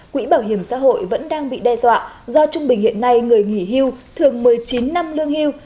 quỹ bảo hiểm xã hội vẫn đang bị đe dọa do trung bình hiện nay người nghỉ hưu thường một mươi chín năm lương hưu